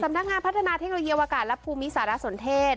นักงานพัฒนาเทคโนโลยีวอากาศและภูมิสารสนเทศ